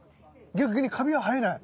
逆にカビは生えない？